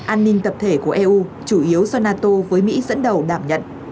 an ninh tập thể của eu chủ yếu do nato với mỹ dẫn đầu đảm nhận